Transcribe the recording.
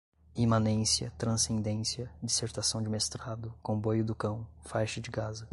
imanência, transcendência, dissertação de mestrado, comboio do cão, faixa de gaza